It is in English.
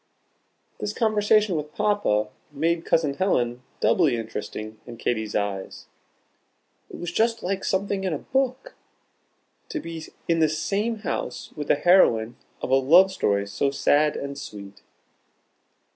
This conversation with Papa made Cousin Helen doubly interesting in Katy's eyes. "It was just like something in a book," to be in the same house with the heroine of a love story so sad and sweet.